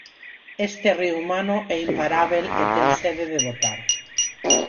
Este río humano é imparábel e ten sede de votar.